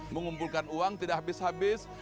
mengumpulkan uang tidak habis habis